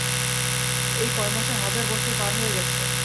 এই কয় মাসে হাজার বছর পার হয়ে গেছে।